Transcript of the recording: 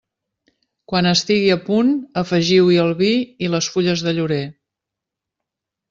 Quan estigui a punt, afegiu-hi el vi i les fulles de llorer.